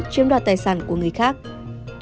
chiếm đoạt tài sản của người khác